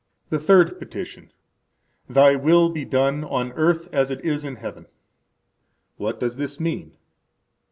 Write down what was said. The Third Petition. Thy will be done on earth as it is in heaven. What does this mean?